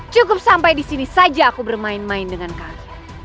cukup sampai disini saja aku bermain main dengan kalian